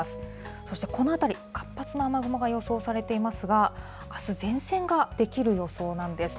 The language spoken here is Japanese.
そしてこの辺り、活発な雨雲が予想されていますが、あす前線が出来る予想なんです。